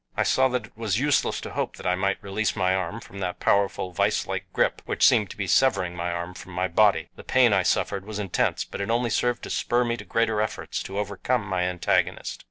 I saw that it was useless to hope that I might release my arm from that powerful, viselike grip which seemed to be severing my arm from my body. The pain I suffered was intense, but it only served to spur me to greater efforts to overcome my antagonist.